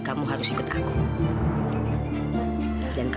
bahwa harus saya hadir di sana